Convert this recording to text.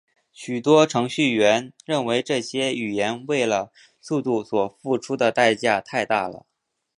许多程序员认为这些语言为了速度所付出的代价太大了。